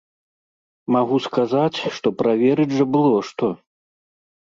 Магу сказаць, што праверыць жа было што.